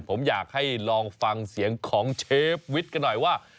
ผมอยากให้ลองฟังเสียงของเชฟวิทย์กันหน่อยว่า